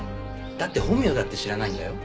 だって本名だって知らないんだよ。